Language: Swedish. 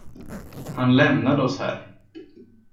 Han lämnade oss här.